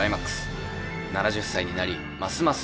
７０歳になりますます